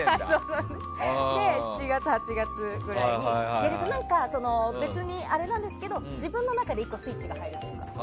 ７月、８月ぐらいに別にあれなんですけど自分の中で１個、スイッチが入るというか。